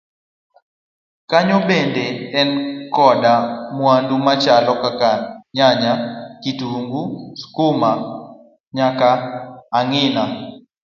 kanyo bende ne en koda mwandu machalo kaka nyanya, kitungu, skuma nyaka ang'ina.